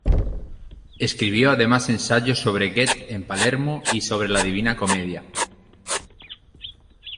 Escribió además ensayos sobre Goethe en Palermo, y sobre la "Divina Comedia".